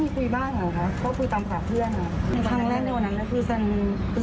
คิดว่าจะรีบมาสพ